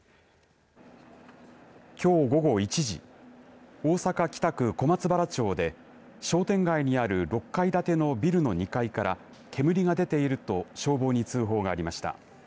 きょう午後１時大阪、北区の小松原町で商店街にある６階建てのビルの２階から煙が出ていると消防に通報がありました。